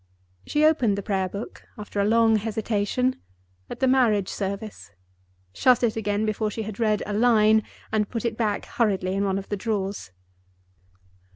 She opened the Prayer book, after a long hesitation, at the Marriage Service, shut it again before she had read a line, and put it back hurriedly in one of the drawers.